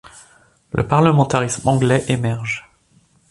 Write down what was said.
Le parlementarisme anglais émerge.